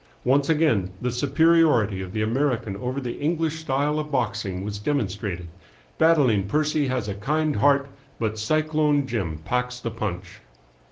Once again the superiority of the American over the English style of boxing was demonstrated. Battling Percy has a kind heart, but Cyclone Jim packs the punch."